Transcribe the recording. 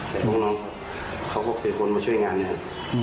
แต่พวกน้องเขาก็เป็นคนมาช่วยงานเนี่ย